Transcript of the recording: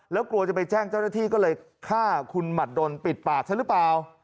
แล้วกลัวจะไปแจ้งเจ้าหน้าที่ก็เลยฆ่าคุณหมัดดนปิดปากซะหรือเปล่า